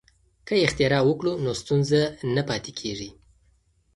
که اختراع وکړو نو ستونزه نه پاتې کیږي.